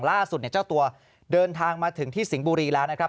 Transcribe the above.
ล่าสุดเนี่ยเจ้าตัวเดินทางมาถึงที่สิงห์บุรีแล้วนะครับ